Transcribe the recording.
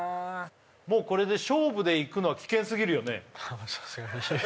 もうこれで勝負でいくのは危険すぎるよね？